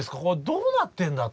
どうなってんだと。